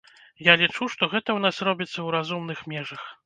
Я лічу, што гэта ў нас робіцца ў разумных межах.